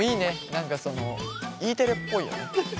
何かそのＥテレっぽいよね。